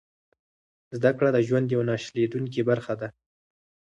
زده کړه د ژوند یوه نه شلېدونکې برخه ده.